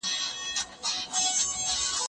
هغه وويل چي وخت تېریدل ضروري دي؟!